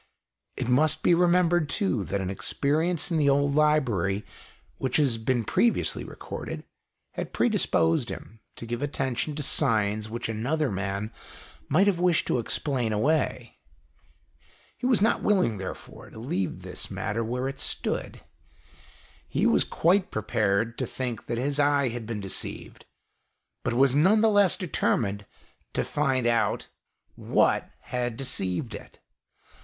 It must be remembered, too, that an experience in the old library, which has been previously recorded, had pre disposed him to give attention to signs which another man might have wished to explain away. He was not willing, therefore, to leave this matter where it stood. He was quite prepared to think that his eye had been deceived, but was none the less determined to find out what had THE EASTERN WINDOW. deceived it.